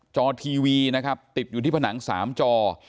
อทีวีนะครับติดอยู่ที่ผนัง๓จอ